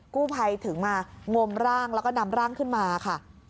กู้ภัยถึงมางมร่างแล้วก็นำร่างขึ้นมาค่ะ